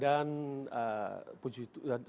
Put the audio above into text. dan puji tuhan